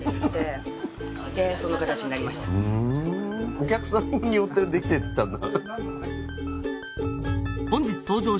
お客さんによってできてったんだ。